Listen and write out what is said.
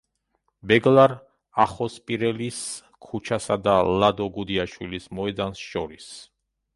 ბეგლარ ახოსპირელის ქუჩასა და ლადო გუდიაშვილის მოედანს შორის.